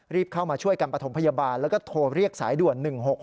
เข้ามาช่วยกันประถมพยาบาลแล้วก็โทรเรียกสายด่วน๑๖๖